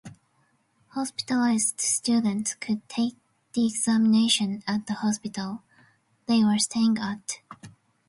Hospitalized students could take the examination at the hospital they were staying at.